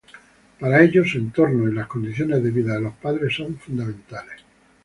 Para ello, su entorno y las condiciones de vida de los padres son fundamentales.